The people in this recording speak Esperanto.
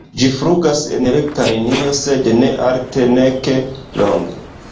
Ĝi flugas en rekta linio, sed ne alte nek longe.